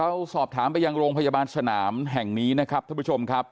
เราสอบถามไปยังโรงพยาบาลสนามแห่งนี้นะครับท่านผู้ชมครับ